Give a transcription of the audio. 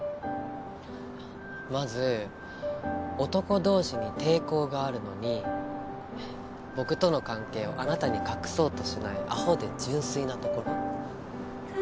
まず男同士に抵抗があるのに僕との関係をあなたに隠そうとしないアホで純粋なところ？